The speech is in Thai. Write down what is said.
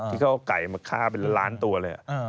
ที่เขาเอาไก่มาฆ่าเป็นล้านตัวเลย